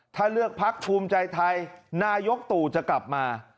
ถ้าเลือกพักภูมิใจไทยนายกตู่จะกลับมา